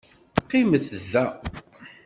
Qimet da.